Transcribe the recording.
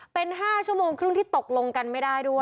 เป็น๕ชั่วโมงครึ่งที่ตกลงกันไม่ได้ด้วย